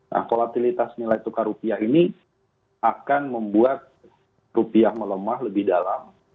nah kolatilitas nilai tukar rupiah ini akan membuat rupiah melemah lebih dalam